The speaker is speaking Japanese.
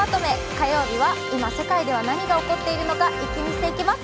火曜日は今世界では何が起こっているのか、一気見していきます。